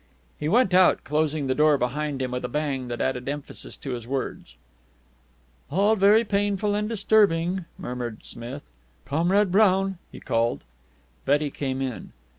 He went out, closing the door behind him with a bang that added emphasis to his words. "All very painful and disturbing," murmured Smith. "Comrade Brown!" he called. Betty came in.